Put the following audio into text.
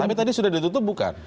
tapi tadi sudah ditutup bukan